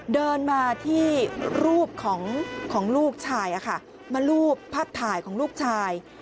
เดินมาที่รูปของลูกชายมารูปภาพถ่ายของลูกชาย